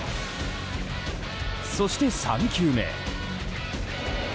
そして、３球目。